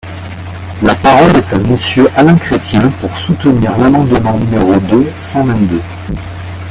La parole est à Monsieur Alain Chrétien, pour soutenir l’amendement numéro deux cent vingt-deux.